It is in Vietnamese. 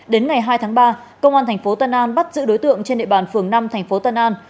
đến ngày hai tháng ba công an tp tân an bắt giữ đối tượng trên địa bàn phường năm tp tân an